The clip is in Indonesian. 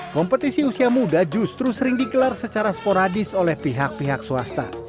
kompetisi usia muda justru sering dikelar secara sporadis oleh pihak pihak swasta